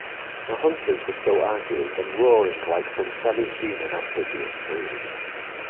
The hunters were still arguing and roaring like some semi-human amphibious breed.